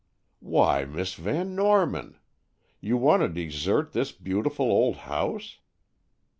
"Why, Miss Van Norman! You want to desert this beautiful old house?